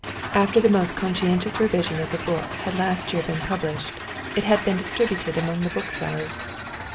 After the most conscientious revision the book had last year been published, and had been distributed among the booksellers.